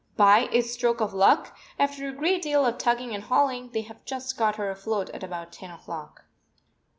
By a stroke of luck, after a great deal of tugging and hauling, they have just got her afloat at about ten o'clock.